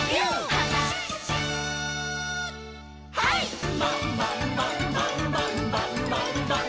「はい！」「ンバンバンバンバ」「ンバンバンバンバ」